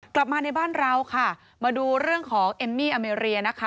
กลับมาในบ้านเราค่ะมาดูเรื่องของเอมมี่อเมรียนะคะ